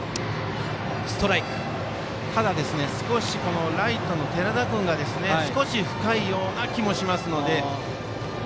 ただ、ライトの寺田君が少し深いような気もしますので。